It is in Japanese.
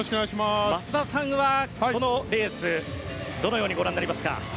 松田さんはこのレースどのようにご覧になりますか。